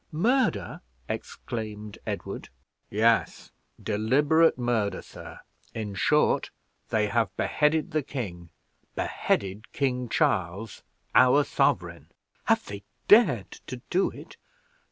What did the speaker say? "Murder!" exclaimed Edward. "Yes, deliberate murder, sir; in short, they have beheaded King Charles, our sovereign." "Have they dared to do it?"